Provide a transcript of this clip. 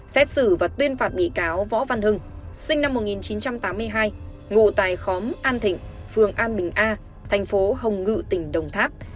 xét xử và tuyên phạt bị cáo võ văn hưng sinh năm một nghìn chín trăm tám mươi hai ngụ tại khóm an thịnh phường an bình a thành phố hồng ngự tỉnh đồng tháp